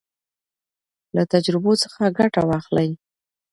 له تجربو څخه ګټه واخلئ.